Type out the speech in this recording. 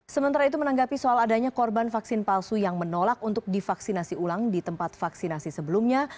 sementara itu menanggapi soal adanya korban vaksin palsu yang menolak untuk divaksinasi ulang di tempat vaksinasi sebelumnya